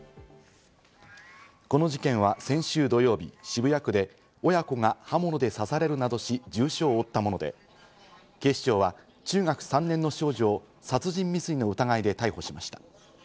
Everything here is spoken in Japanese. この事件は先週土曜日、渋谷区で親子が刃物で刺されるなどし、重傷を負ったもので、警視庁は中学３年の少女を殺人未遂の疑いで逮捕しました。